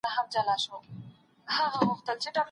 املا د ژبي د معيار په ساتلو کي مرسته کوي.